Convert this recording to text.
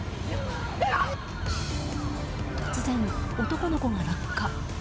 突然、男の子が落下。